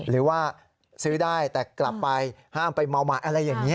หรือว่าซื้อได้แต่กลับไปห้ามไปเมาหมาอะไรอย่างนี้